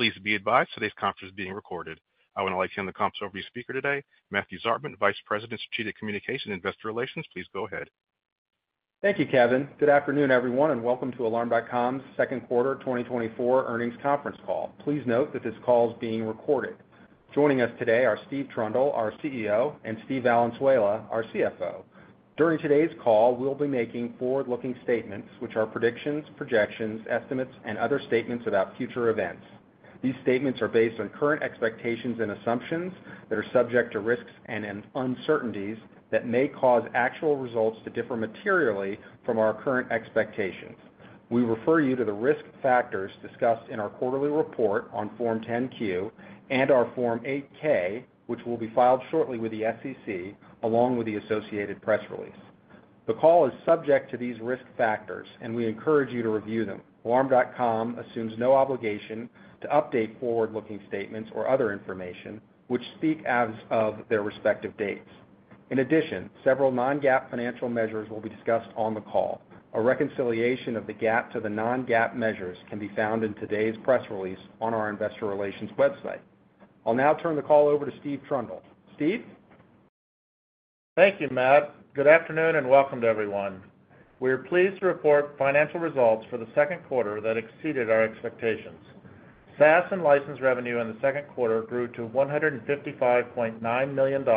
Please be advised, today's conference is being recorded. I would now like to hand the conference over to your speaker today, Matthew Zartman, Vice President, Strategic Communication, Investor Relations. Please go ahead. Thank you, Kevin. Good afternoon, everyone, and welcome to Alarm.com's second quarter 2024 earnings conference call. Please note that this call is being recorded. Joining us today are Steve Trundle, our CEO, and Steve Valenzuela, our CFO. During today's call, we'll be making forward-looking statements, which are predictions, projections, estimates, and other statements about future events. These statements are based on current expectations and assumptions that are subject to risks and uncertainties that may cause actual results to differ materially from our current expectations. We refer you to the risk factors discussed in our quarterly report on Form 10-Q and our Form 8-K, which will be filed shortly with the SEC, along with the associated press release. The call is subject to these risk factors, and we encourage you to review them. Alarm.com assumes no obligation to update forward-looking statements or other information which speak as of their respective dates. In addition, several non-GAAP financial measures will be discussed on the call. A reconciliation of the GAAP to the non-GAAP measures can be found in today's press release on our investor relations website. I'll now turn the call over to Steve Trundle. Steve? Thank you, Matt. Good afternoon, and welcome to everyone. We are pleased to report financial results for the second quarter that exceeded our expectations. SaaS and license revenue in the second quarter grew to $155.9 million,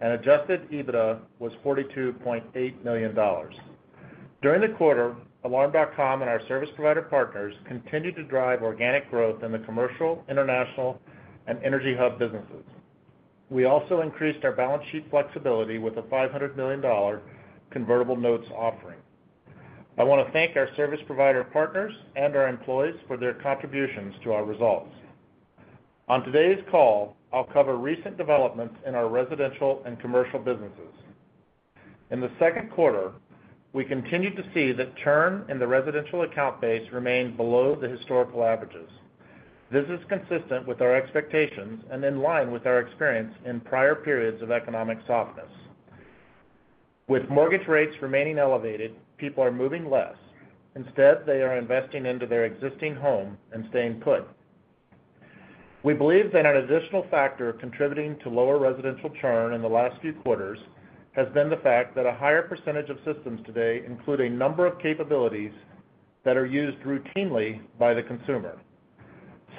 and adjusted EBITDA was $42.8 million. During the quarter, Alarm.com and our service provider partners continued to drive organic growth in the commercial, international, and Energy hub businesses. We also increased our balance sheet flexibility with a $500 million convertible notes offering. I wanna thank our service provider partners and our employees for their contributions to our results. On today's call, I'll cover recent developments in our residential and commercial businesses. In the second quarter, we continued to see that churn in the residential account base remained below the historical averages. This is consistent with our expectations and in line with our experience in prior periods of economic softness. With mortgage rates remaining elevated, people are moving less. Instead, they are investing into their existing home and staying put. We believe that an additional factor contributing to lower residential churn in the last few quarters has been the fact that a higher percentage of systems today include a number of capabilities that are used routinely by the consumer.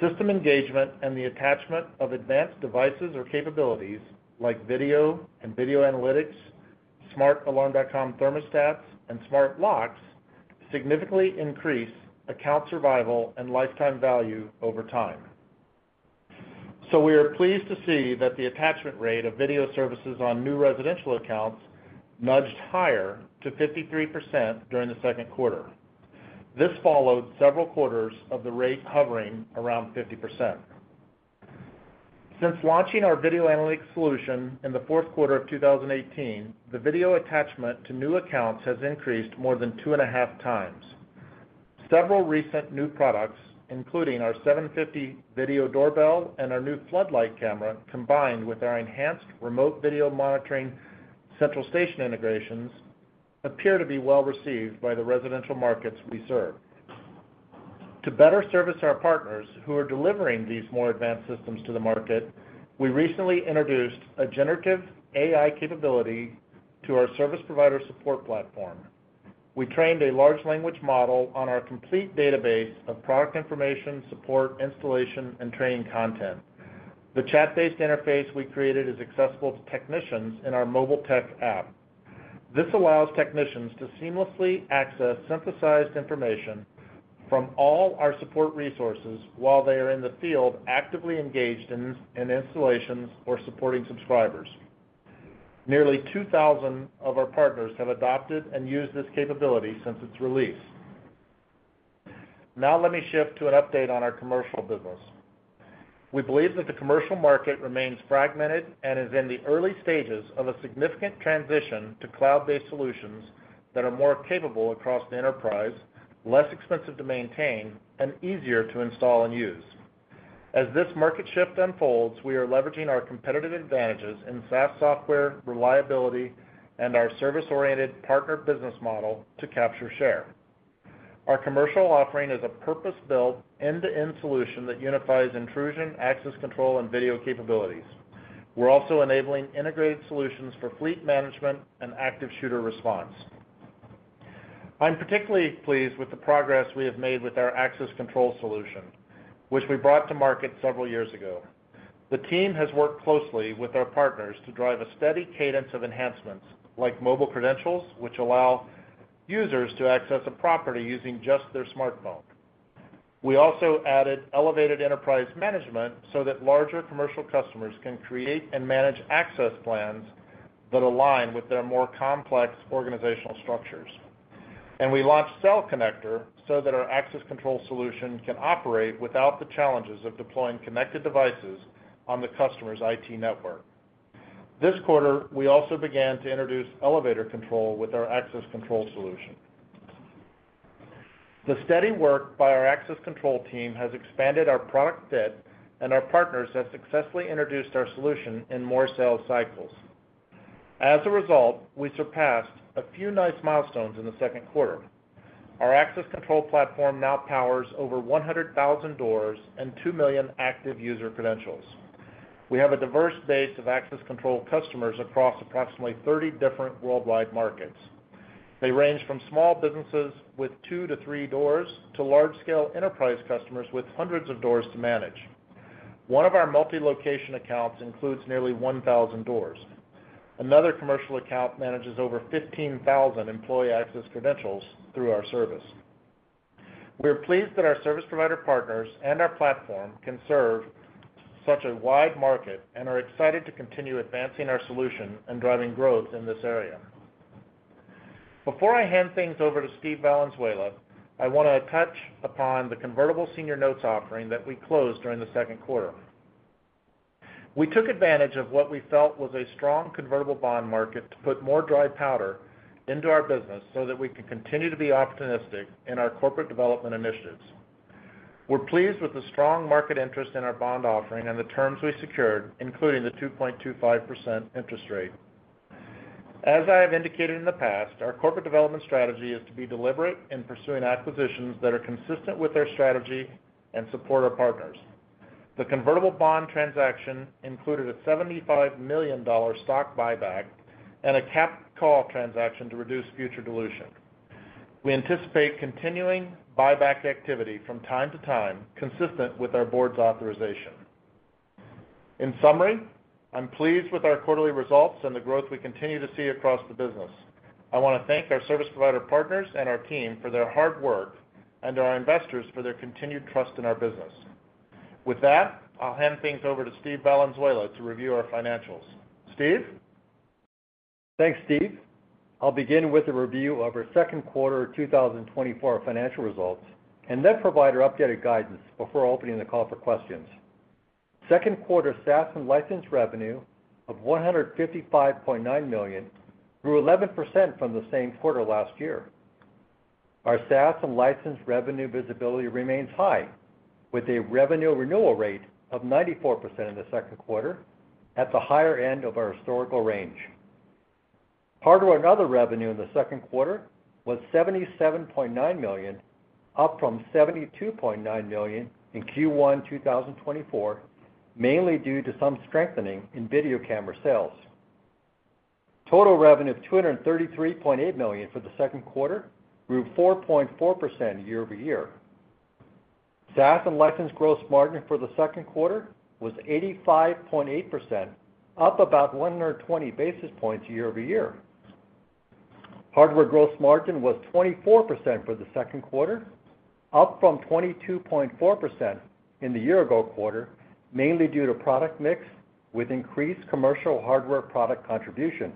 System engagement and the attachment of advanced devices or capabilities like video and video analytics, smart Alarm.com thermostats, and smart locks, significantly increase account survival and lifetime value over time. So we are pleased to see that the attachment rate of video services on new residential accounts nudged higher to 53% during the second quarter. This followed several quarters of the rate hovering around 50%. Since launching our video analytics solution in the fourth quarter of 2018, the video attachment to new accounts has increased more than 2.5x. Several recent new products, including our 750 video doorbell and our new Floodlight Camera, combined with our enhanced remote video monitoring central station integrations, appear to be well-received by the residential markets we serve. To better service our partners who are delivering these more advanced systems to the market, we recently introduced a Generative AI capability to our service provider support platform. We trained a large language model on our complete database of product information, support, installation, and training content. The chat-based interface we created is accessible to technicians in our MobileTech app. This allows technicians to seamlessly access synthesized information from all our support resources while they are in the field, actively engaged in installations or supporting subscribers. Nearly 2,000 of our partners have adopted and used this capability since its release. Now, let me shift to an update on our commercial business. We believe that the commercial market remains fragmented and is in the early stages of a significant transition to cloud-based solutions that are more capable across the enterprise, less expensive to maintain, and easier to install and use. As this market shift unfolds, we are leveraging our competitive advantages in SaaS software, reliability, and our service-oriented partner business model to capture share. Our commercial offering is a purpose-built, end-to-end solution that unifies intrusion, access control, and video capabilities. We're also enabling integrated solutions for fleet management and active shooter response. I'm particularly pleased with the progress we have made with our access control solution, which we brought to market several years ago. The team has worked closely with our partners to drive a steady cadence of enhancements, like mobile credentials, which allow users to access a property using just their smartphone. We also added elevated enterprise management so that larger commercial customers can create and manage access plans that align with their more complex organizational structures. And we launched Cell Connector so that our access control solution can operate without the challenges of deploying connected devices on the customer's IT network. This quarter, we also began to introduce elevator control with our access control solution. The steady work by our access control team has expanded our product fit, and our partners have successfully introduced our solution in more sales cycles. As a result, we surpassed a few nice milestones in the second quarter. Our access control platform now powers over 100,000 doors and 2,000,000 active user credentials. We have a diverse base of access control customers across approximately 30 different worldwide markets. They range from small businesses with two to three doors, to large-scale enterprise customers with hundreds of doors to manage. One of our multi-location accounts includes nearly 1,000 doors. Another commercial account manages over 15,000 employee access credentials through our service. We are pleased that our service provider partners and our platform can serve such a wide market, and are excited to continue advancing our solution and driving growth in this area. Before I hand things over to Steve Valenzuela, I want to touch upon the convertible senior notes offering that we closed during the second quarter. We took advantage of what we felt was a strong convertible bond market to put more dry powder into our business, so that we can continue to be opportunistic in our corporate development initiatives. We're pleased with the strong market interest in our bond offering and the terms we secured, including the 2.25% interest rate. As I have indicated in the past, our corporate development strategy is to be deliberate in pursuing acquisitions that are consistent with our strategy and support our partners. The convertible bond transaction included a $75 million stock buyback and a capped call transaction to reduce future dilution. We anticipate continuing buyback activity from time to time, consistent with our board's authorization. In summary, I'm pleased with our quarterly results and the growth we continue to see across the business. I want to thank our service provider partners and our team for their hard work, and our investors for their continued trust in our business. With that, I'll hand things over to Steve Valenzuela to review our financials. Steve? Thanks, Steve. I'll begin with a review of our second quarter 2024 financial results, and then provide our updated guidance before opening the call for questions. Second quarter SaaS and license revenue of $155.9 million, grew 11% from the same quarter last year. Our SaaS and license revenue visibility remains high, with a revenue renewal rate of 94% in the second quarter, at the higher end of our historical range. Hardware and other revenue in the second quarter was $77.9 million, up from $72.9 million in Q1 2024, mainly due to some strengthening in video camera sales. Total revenue of $233.8 million for the second quarter grew 4.4% year-over-year. SaaS and license gross margin for the second quarter was 85.8%, up about 120 basis points year-over-year. Hardware gross margin was 24% for the second quarter, up from 22.4% in the year-ago quarter, mainly due to product mix with increased commercial hardware product contribution.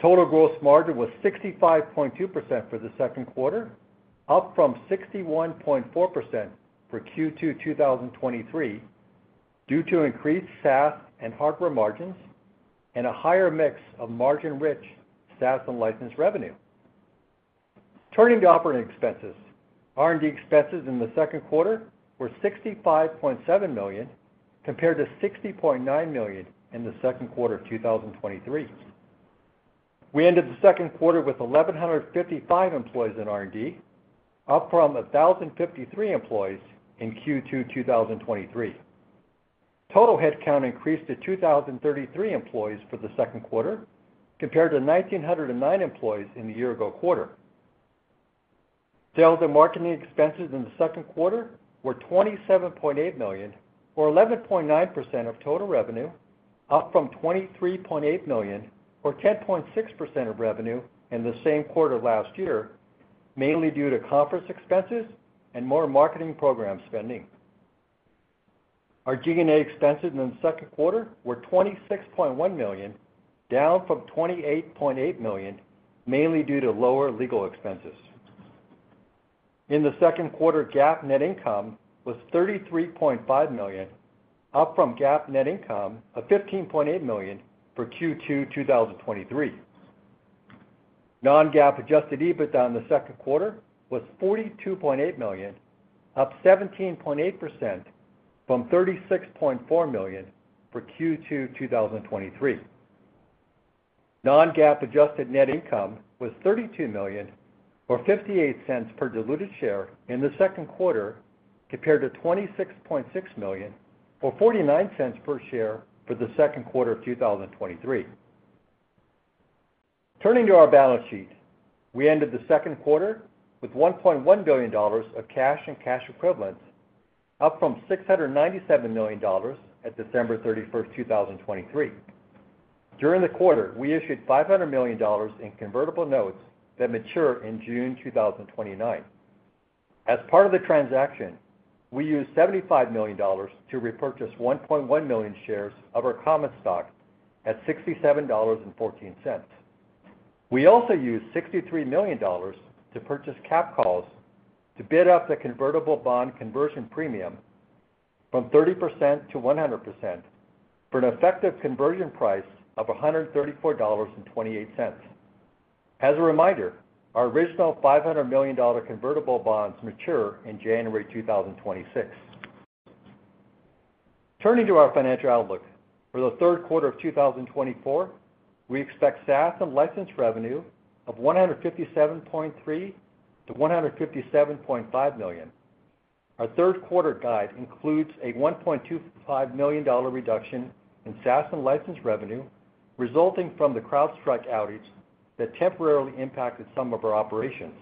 Total gross margin was 65.2% for the second quarter, up from 61.4% for Q2 2023, due to increased SaaS and hardware margins and a higher mix of margin-rich SaaS and license revenue. Turning to operating expenses, R&D expenses in the second quarter were $65.7 million, compared to $60.9 million in the second quarter of 2023. We ended the second quarter with 1,155 employees in R&D, up from 1,053 employees in Q2 2023. Total headcount increased to 2,033 employees for the second quarter, compared to 1,909 employees in the year-ago quarter. Sales and marketing expenses in the second quarter were $27.8 million, or 11.9% of total revenue, up from $23.8 million, or 10.6% of revenue in the same quarter last year, mainly due to conference expenses and more marketing program spending. Our G&A expenses in the second quarter were $26.1 million, down from $28.8 million, mainly due to lower legal expenses. In the second quarter, GAAP net income was $33.5 million, up from GAAP net income of $15.8 million for Q2 2023. Non-GAAP adjusted EBITDA in the second quarter was $42.8 million, up 17.8% from $36.4 million for Q2 2023. Non-GAAP adjusted net income was $32 million, or $0.58 per diluted share in the second quarter, compared to $26.6 million, or $0.49 per share for the second quarter of 2023. Turning to our balance sheet. We ended the second quarter with $1.1 billion of cash and cash equivalents, up from $697 million at December 31, 2023. During the quarter, we issued $500 million in convertible notes that mature in June 2029. As part of the transaction, we used $75 million to repurchase 1.1 million shares of our common stock at $67.14. We also used $63 million to purchase capped calls to bid up the convertible bond conversion premium from 30% to 100%, for an effective conversion price of $134.28. As a reminder, our original $500 million convertible bonds mature in January 2026. Turning to our financial outlook. For the third quarter of 2024, we expect SaaS and license revenue of $157.3 million-$157.5 million. Our third quarter guide includes a $1.25 million reduction in SaaS and license revenue, resulting from the CrowdStrike outage that temporarily impacted some of our operations.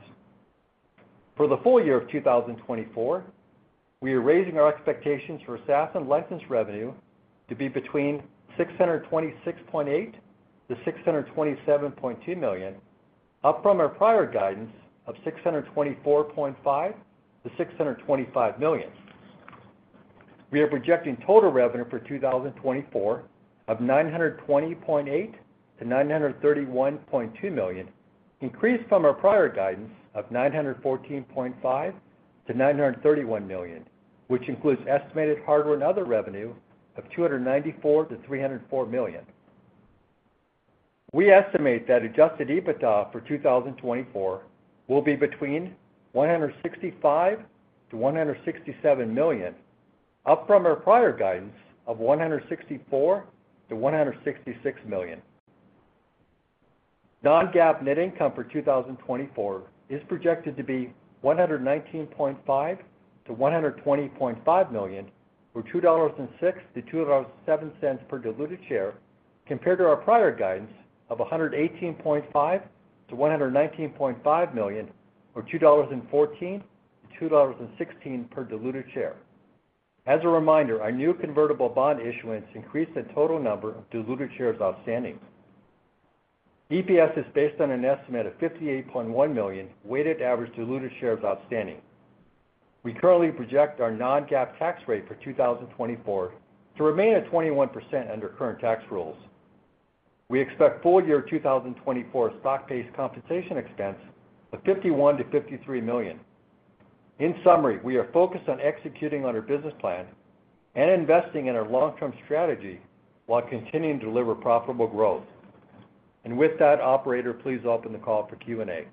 For the full year of 2024, we are raising our expectations for SaaS and license revenue to be between $626.8 million-$627.2 million, up from our prior guidance of $624.5 million-$625 million. We are projecting total revenue for 2024 of $920.8 million-$931.2 million, increased from our prior guidance of $914.5 million-$931 million, which includes estimated hardware and other revenue of $294 million-$304 million. We estimate that Adjusted EBITDA for 2024 will be between $165 million-$167 million, up from our prior guidance of $164 million-$166 million. non-GAAP net income for 2024 is projected to be $119.5 million-$120.5 million, or $2.06-$2.07 per diluted share, compared to our prior guidance of $118.5 million-$119.5 million, or $2.14-$2.16 per diluted share. As a reminder, our new convertible bond issuance increased the total number of diluted shares outstanding. EPS is based on an estimate of 58.1 million weighted average diluted shares outstanding. We currently project our non-GAAP tax rate for 2024 to remain at 21% under current tax rules. We expect full-year 2024 stock-based compensation expense of $51 million-$53 million. In summary, we are focused on executing on our business plan and investing in our long-term strategy, while continuing to deliver profitable growth. With that, operator, please open the call for Q&A.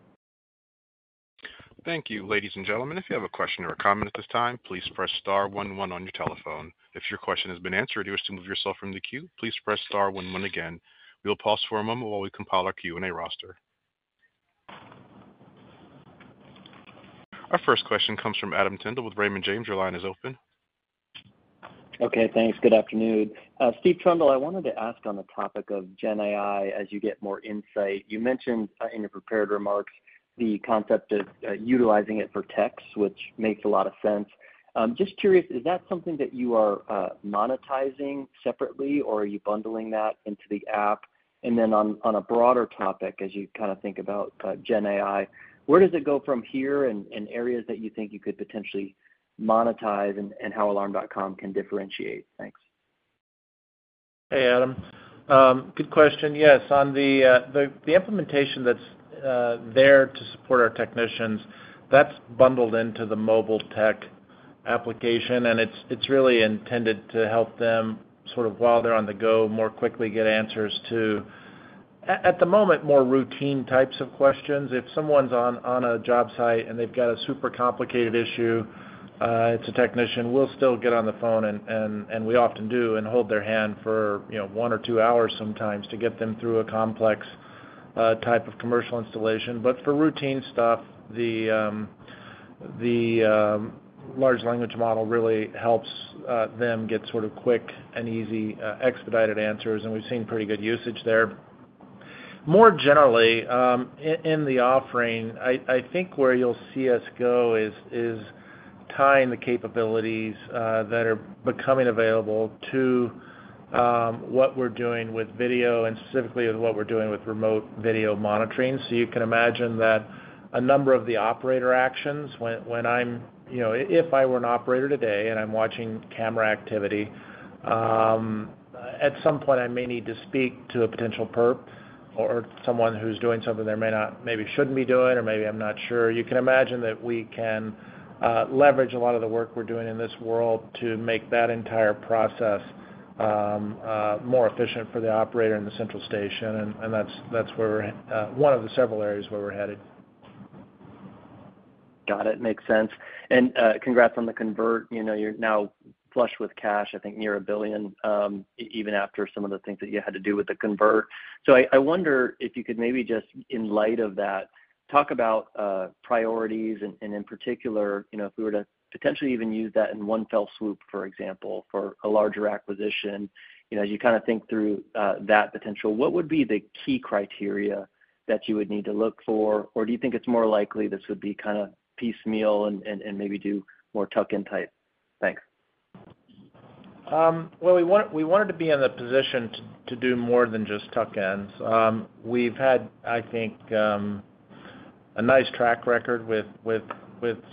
Thank you. Ladies and gentlemen, if you have a question or a comment at this time, please press star one, one on your telephone. If your question has been answered, or you wish to move yourself from the queue, please press star one, one again. We will pause for a moment while we compile our Q&A roster. Our first question comes from Adam Tindle with Raymond James. Your line is open. Okay, thanks. Good afternoon. Steve Trundle, I wanted to ask on the topic of GenAI, as you get more insight. You mentioned in your prepared remarks, the concept of utilizing it for techs, which makes a lot of sense. Just curious, is that something that you are monetizing separately, or are you bundling that into the app? And then on a broader topic, as you kind of think about GenAI, where does it go from here, and areas that you think you could potentially monetize, and how Alarm.com can differentiate? Thanks. Hey, Adam. Good question. Yes, on the implementation that's there to support our technicians, that's bundled into the MobileTech application, and it's really intended to help them, sort of, while they're on the go, more quickly get answers to, at the moment, more routine types of questions. If someone's on a job site, and they've got a super complicated issue, it's a technician, we'll still get on the phone and we often do, and hold their hand for, you know, one or two hours sometimes to get them through a complex type of commercial installation. But for routine stuff, the Large Language Model really helps them get sort of quick and easy expedited answers, and we've seen pretty good usage there. More generally, in the offering, I think where you'll see us go is tying the capabilities that are becoming available to what we're doing with video and specifically with what we're doing with remote video monitoring. So you can imagine that a number of the operator actions, when I'm, you know, if I were an operator today, and I'm watching camera activity, at some point, I may need to speak to a potential perp or someone who's doing something they may not, maybe shouldn't be doing, or maybe I'm not sure. You can imagine that we can leverage a lot of the work we're doing in this world to make that entire process more efficient for the operator in the central station, and that's one of the several areas where we're headed. Got it. Makes sense. And, congrats on the convert. You know, you're now flush with cash, I think, near $1 billion, even after some of the things that you had to do with the convert. So I wonder if you could maybe just, in light of that, talk about, priorities and, in particular, you know, if we were to potentially even use that in one fell swoop, for example, for a larger acquisition. You know, as you kind of think through, that potential, what would be the key criteria that you would need to look for? Or do you think it's more likely this would be kind of piecemeal and, maybe do more tuck-in type? Thanks. Well, we want- we wanted to be in the position to do more than just tuck-ins. We've had, I think, a nice track record with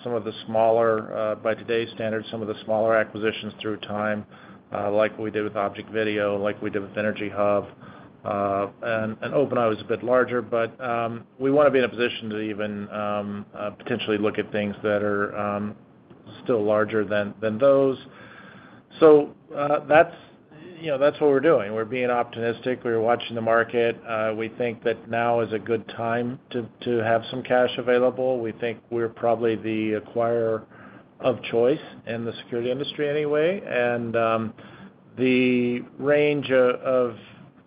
some of the smaller, by today's standards, some of the smaller acquisitions over time, like we did with ObjectVideo, like we did with EnergyHub, and OpenEye was a bit larger. But we want to be in a position to even potentially look at things that are still larger than those. So, that's you know, that's what we're doing. We're being optimistic. We're watching the market. We think that now is a good time to have some cash available. We think we're probably the acquirer of choice in the security industry anyway. And the range of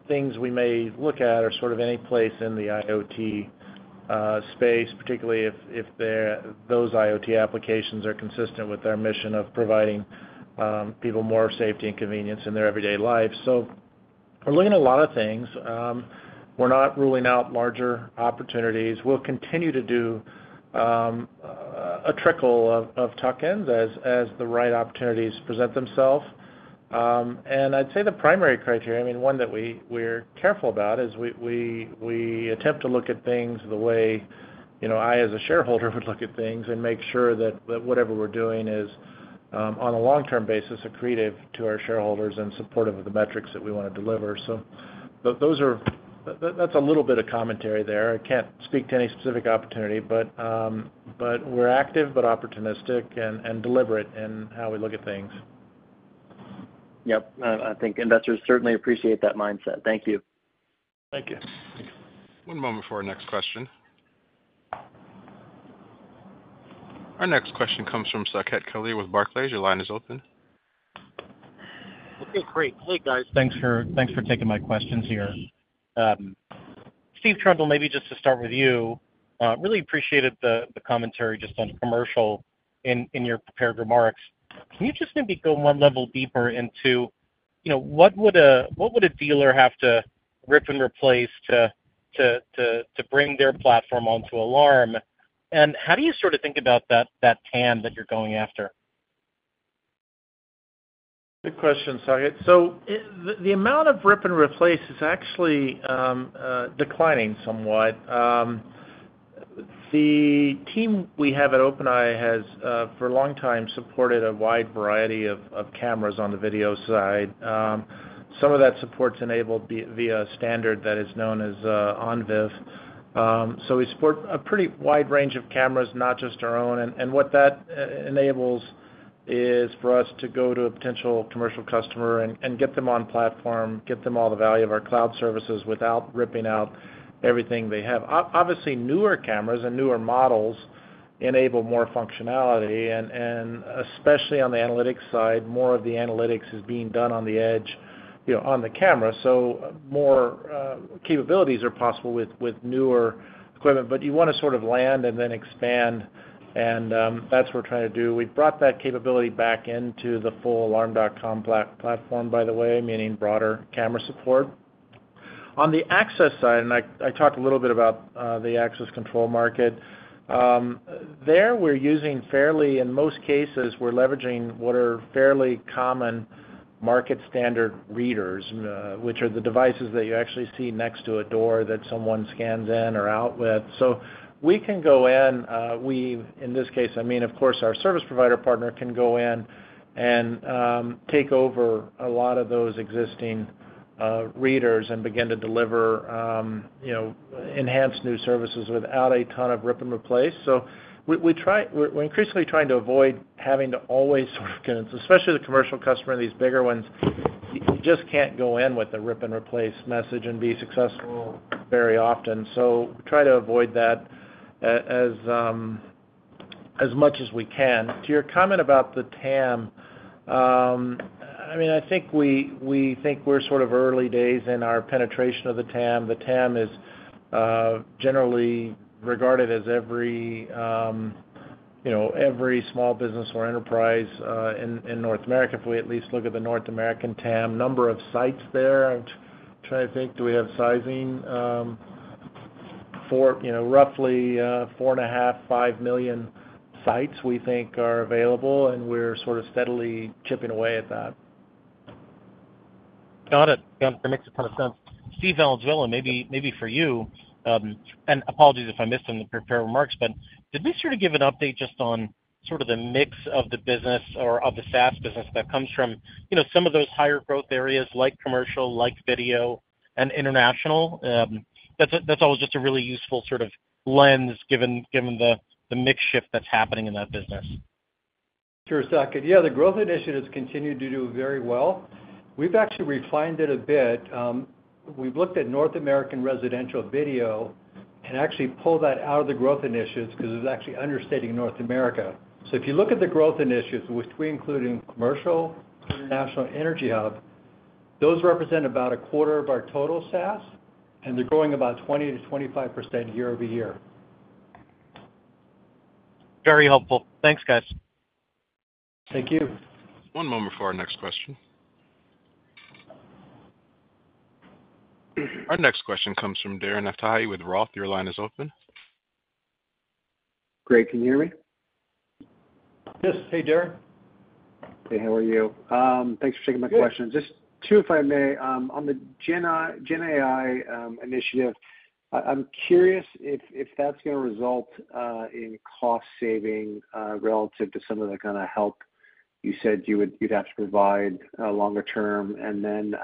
things we may look at are sort of any place in the IoT space, particularly if those IoT applications are consistent with our mission of providing people more safety and convenience in their everyday lives. So we're looking at a lot of things. We're not ruling out larger opportunities. We'll continue to do a trickle of tuck-ins as the right opportunities present themselves. I'd say the primary criteria, I mean, one that we're careful about, is we attempt to look at things the way, you know, I, as a shareholder, would look at things and make sure that whatever we're doing is, on a long-term basis, accretive to our shareholders and supportive of the metrics that we want to deliver. So those are. That's a little bit of commentary there. I can't speak to any specific opportunity, but we're active, opportunistic and deliberate in how we look at things. Yep. I think investors certainly appreciate that mindset. Thank you. Thank you. One moment for our next question. Our next question comes from Saket Kalia with Barclays. Your line is open. Okay, great. Hey, guys. Thanks for, thanks for taking my questions here. Steve Trundle, maybe just to start with you. Really appreciated the, the commentary just on commercial in, in your prepared remarks. Can you just maybe go one level deeper into, you know, what would a, what would a dealer have to rip and replace to, to, to, to bring their platform onto Alarm? And how do you sort of think about that, that TAM that you're going after? Good question, Saket. So the amount of rip and replace is actually declining somewhat. The team we have at OpenEye has for a long time supported a wide variety of cameras on the video side. Some of that support is enabled via a standard that is known as ONVIF. So we support a pretty wide range of cameras, not just our own. And what that enables is for us to go to a potential commercial customer and get them on platform, get them all the value of our cloud services without ripping out everything they have. Obviously, newer cameras and newer models enable more functionality, and especially on the analytics side, more of the analytics is being done on the edge, you know, on the camera. So more capabilities are possible with newer equipment, but you want to sort of land and then expand, and that's what we're trying to do. We've brought that capability back into the full Alarm.com platform, by the way, meaning broader camera support. On the access side, and I talked a little bit about the access control market. There, we're using fairly. In most cases, we're leveraging what are fairly common market standard readers, which are the devices that you actually see next to a door that someone scans in or out with. So we can go in, we, in this case, I mean, of course, our service provider partner can go in and take over a lot of those existing readers and begin to deliver, you know, enhanced new services without a ton of rip and replace. So we're increasingly trying to avoid having to always work in, especially the commercial customer, these bigger ones. You just can't go in with a rip and replace message and be successful very often. So we try to avoid that as much as we can. To your comment about the TAM, I mean, I think we think we're sort of early days in our penetration of the TAM. The TAM is generally regarded as every, you know, every small business or enterprise in North America, if we at least look at the North American TAM. Number of sites there, I'm trying to think, do we have sizing? Four, you know, roughly 4.5 million-5 million sites we think are available, and we're sort of steadily chipping away at that. Got it. Yeah, that makes a ton of sense. Steve Valenzuela, maybe for you, and apologies if I missed in the prepared remarks, but did we sort of give an update just on sort of the mix of the business or of the SaaS business that comes from, you know, some of those higher growth areas like commercial, like video and international? That's always just a really useful sort of lens given the mix shift that's happening in that business. Sure, Saket. Yeah, the growth initiatives continue to do very well. We've actually refined it a bit. We've looked at North American residential video and actually pulled that out of the growth initiatives because it was actually understating North America. So if you look at the growth initiatives, which we include in commercial, international, and EnergyHub, those represent about a quarter of our total SaaS, and they're growing about 20%-25% year-over-year. Very helpful. Thanks, guys. Thank you. One moment for our next question. Our next question comes from Darren Aftahi with Roth. Your line is open. Great. Can you hear me? Yes. Hey, Darren. Hey, how are you? Thanks for taking my questions. Good. Just two, if I may. On the Gen AI initiative, I'm curious if that's going to result in cost saving relative to some of the kind of help you said you'd have to provide longer term. And then,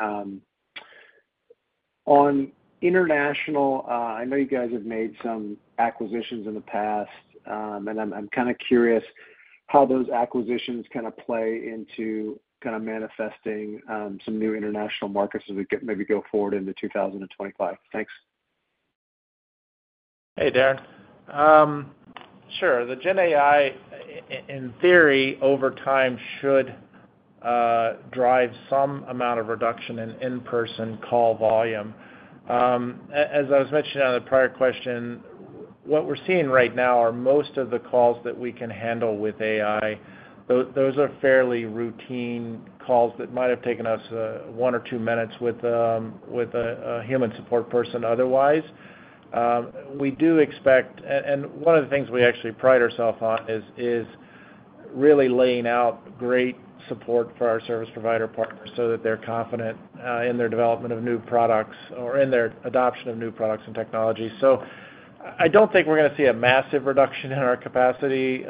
on international, I know you guys have made some acquisitions in the past, and I'm kind of curious how those acquisitions kind of play into kind of manifesting some new international markets as we get, maybe go forward into 2025? Thanks. Hey, Darren. Sure. The Gen AI, in theory, over time, should drive some amount of reduction in in-person call volume. As I was mentioning on the prior question, what we're seeing right now are most of the calls that we can handle with AI, those are fairly routine calls that might have taken us one or two minutes with a human support person otherwise. We do expect, and one of the things we actually pride ourselves on is really laying out great support for our service provider partners so that they're confident in their development of new products or in their adoption of new products and technologies. So I don't think we're gonna see a massive reduction in our capacity,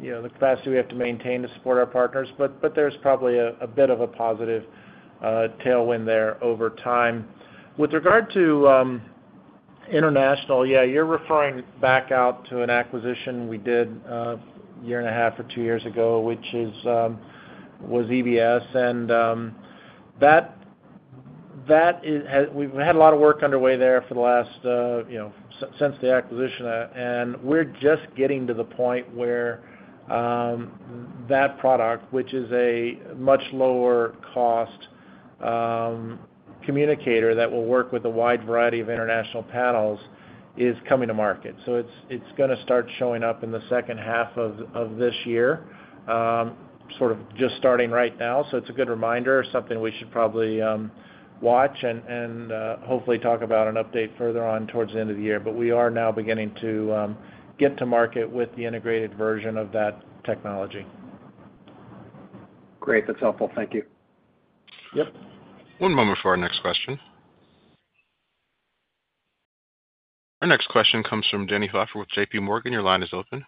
you know, the capacity we have to maintain to support our partners, but there's probably a bit of a positive tailwind there over time. With regard to international, yeah, you're referring back to an acquisition we did a year and a half or two years ago, which was EBS. And we've had a lot of work underway there for the last you know since the acquisition, and we're just getting to the point where that product, which is a much lower cost communicator that will work with a wide variety of international panels, is coming to market. So it's gonna start showing up in the second half of this year, sort of just starting right now. It's a good reminder, something we should probably watch and hopefully talk about an update further on towards the end of the year. But we are now beginning to get to market with the integrated version of that technology. Great. That's helpful. Thank you. Yep. One moment for our next question. Our next question comes from Danny Hoffer with JPMorgan. Your line is open.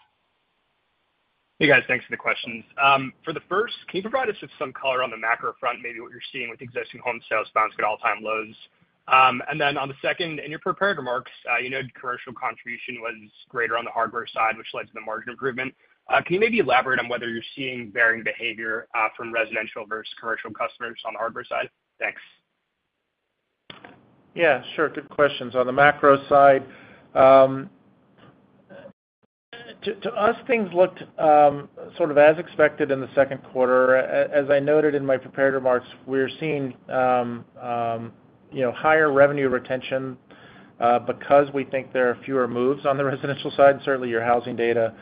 Hey, guys. Thanks for the questions. For the first, can you provide us with some color on the macro front, maybe what you're seeing with existing home sales bouncing at all-time lows? And then on the second, in your prepared remarks, you noted commercial contribution was greater on the hardware side, which led to the margin improvement. Can you maybe elaborate on whether you're seeing varying behavior from residential versus commercial customers on the hardware side? Thanks. Yeah, sure. Good questions. On the macro side, to us, things looked sort of as expected in the second quarter. As I noted in my prepared remarks, we're seeing you know, higher revenue retention because we think there are fewer moves on the residential side. Certainly, your housing data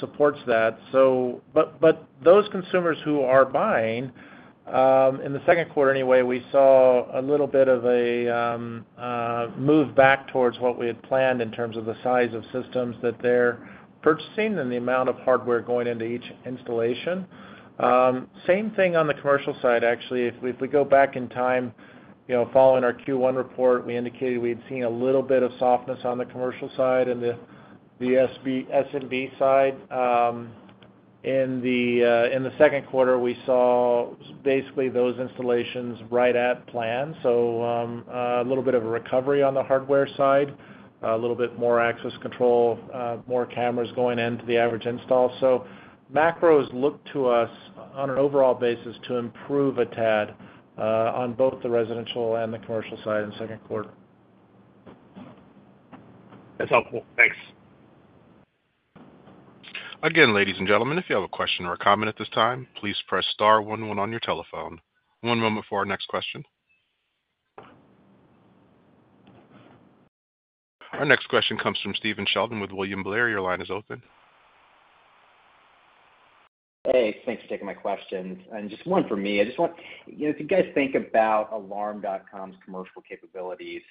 supports that. So, but those consumers who are buying in the second quarter anyway, we saw a little bit of a move back towards what we had planned in terms of the size of systems that they're purchasing and the amount of hardware going into each installation. Same thing on the commercial side, actually. If we go back in time, you know, following our Q1 report, we indicated we'd seen a little bit of softness on the commercial side and the SMB side. In the second quarter, we saw basically those installations right at plan. So, a little bit of a recovery on the hardware side, a little bit more access control, more cameras going into the average install. So macros look to us, on an overall basis, to improve a tad, on both the residential and the commercial side in the second quarter. That's helpful. Thanks. Again, ladies and gentlemen, if you have a question or a comment at this time, please press star one one on your telephone. One moment for our next question. Our next question comes from Stephen Sheldon with William Blair. Your line is open. Hey, thanks for taking my questions. Just one for me. I just want... You know, if you guys think about Alarm.com's commercial capabilities,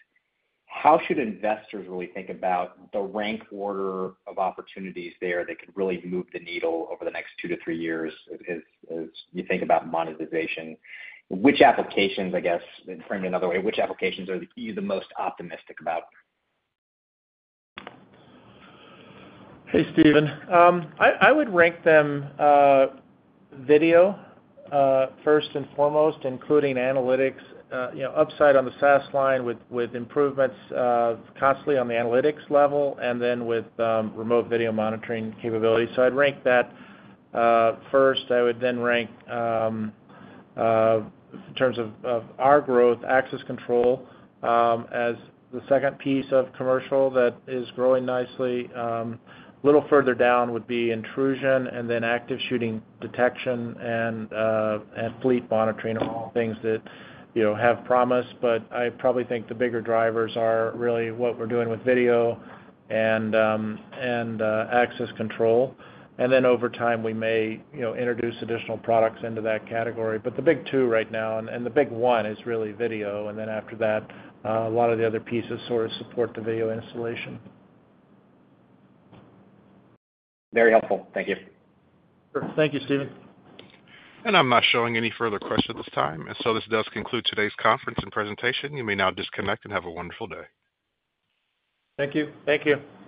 how should investors really think about the rank order of opportunities there that could really move the needle over the next two to three years as you think about monetization? Which applications, I guess, let me frame it another way, which applications are you the most optimistic about? Hey, Stephen. I would rank them video first and foremost, including analytics, you know, upside on the SaaS line with improvements constantly on the analytics level and then with remote video monitoring capabilities. So I'd rank that first. I would then rank in terms of our growth, access control as the second piece of commercial that is growing nicely. A little further down would be intrusion and then active shooting detection and fleet monitoring are all things that, you know, have promise. But I probably think the bigger drivers are really what we're doing with video and access control. And then over time, we may, you know, introduce additional products into that category. But the big two right now, and the big one is really video, and then after that, a lot of the other pieces sort of support the video installation. Very helpful. Thank you. Sure. Thank you, Stephen. I'm not showing any further questions at this time, and so this does conclude today's conference and presentation. You may now disconnect and have a wonderful day. Thank you. Thank you.